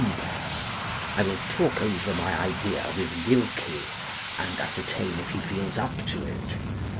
J I will talk over my idea with Wilkie, and ascertain if he feels up to it.